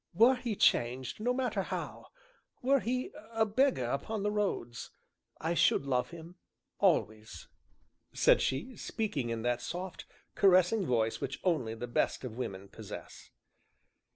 "Were he changed, no matter how were he a beggar upon the roads, I should love him always!" said she, speaking in that soft, caressing voice which only the best of women possess.